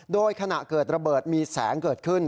โดยขณะเกิดระเบิดมีแสงเกิดขึ้น